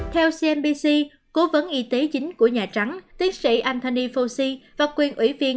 theo cnbc cố vấn y tế chính của nhà trắng tiến sĩ anthony fauci và quyền ủy viên